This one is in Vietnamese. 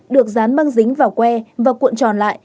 được dán băng dính vào que và cuộn tròn lại